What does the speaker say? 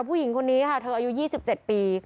ผู้หญิงคนนี้ค่ะเธออายุ๒๗ปี